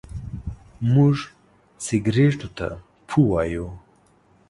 موږ سګرېټو ته پو وايو.